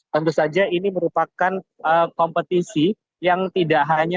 tentu saja ini merupakan kompetisi yang tidak hanya